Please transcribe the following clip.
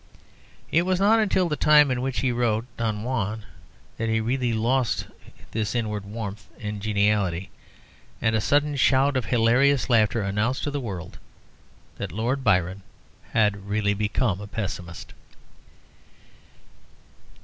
It was not until the time in which he wrote "Don Juan" that he really lost this inward warmth and geniality, and a sudden shout of hilarious laughter announced to the world that Lord Byron had really become a pessimist.